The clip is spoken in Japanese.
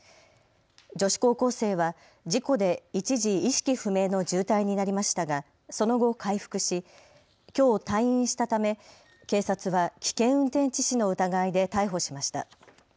女子高校生は事故で一時、意識不明の重体になりましたがその後回復しきょう退院したため警察は危険運転致死の疑いで逮捕しました。